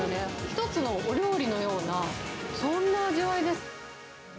一つのお料理のような、そんな味わいです。